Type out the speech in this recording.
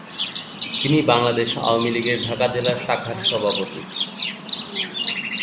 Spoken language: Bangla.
তিনি বাংলাদেশ আওয়ামী লীগের ঢাকা জেলার শাখার সভাপতি।